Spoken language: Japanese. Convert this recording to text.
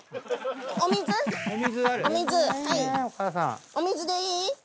お水でいい？